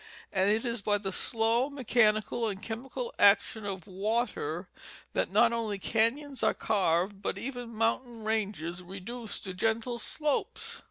And it is by the slow mechanical and chemical action of water that not only canons are carved but even mountain ranges reduced to gentle slopes.